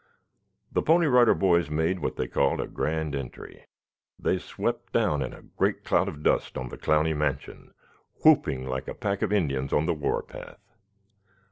The Pony Rider Boys made what they called a grand entry. They swept down in a great cloud of dust on the Clowney mansion, whooping like a pack of Indians on the war path.